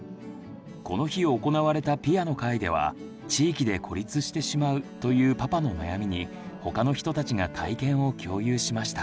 この日行われたピアの会では「地域で孤立してしまう」というパパの悩みに他の人たちが体験を共有しました。